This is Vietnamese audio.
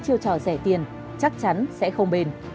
chiêu trò rẻ tiền chắc chắn sẽ không bền